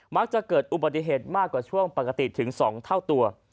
จะเกิดอุบัติเหตุมากกว่าช่วงปกติถึง๒เท่าตัว